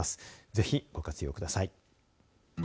ぜひ、ご活用ください。